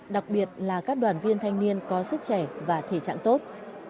đặc biệt là các đoàn viên thanh niên có sức trẻ và thể trạng tốt